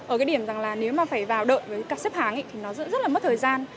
ở cái điểm rằng là nếu mà phải vào đợi với các xếp hàng thì nó rất là mất thời gian